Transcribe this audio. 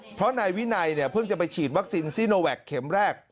เพราะนายวินัยเนี่ยเพิ่งจะไปฉีดวัคซีนซีโนแวคเข็มแรก